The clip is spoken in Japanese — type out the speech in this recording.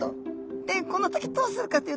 でこの時どうするかというとですね